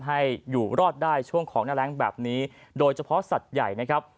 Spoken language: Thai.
ให้อยู่รอดได้ช่วงของหน้าแรงแบบนี้โดยเฉพาะสัตว์ใหญ่นะครับ